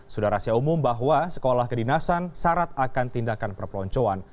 sudah rahasia umum bahwa sekolah kedinasan syarat akan tindakan perpeloncoan